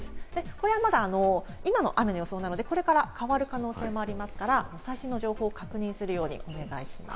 これは今の雨の予想なので、これから変わる恐れもありますから、最新の情報を確認するようにお願いします。